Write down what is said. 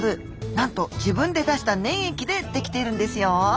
なんと自分で出した粘液で出来ているんですよ。